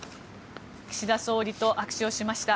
岸田総理と握手をしました。